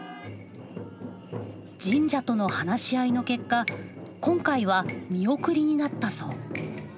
神社との話し合いの結果今回は見送りになったそう。